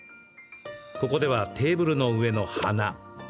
ここではテーブルの上の花。